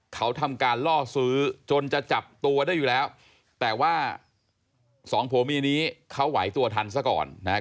เขาทำการล่อซื้อจนจะจับตัวได้อยู่แล้วแต่ว่าสองผัวเมียนี้เขาไหวตัวทันซะก่อนนะครับ